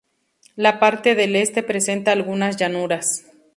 La parte del este presenta algunas llanuras.